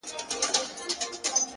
پر تك سره پلـــنــگ.!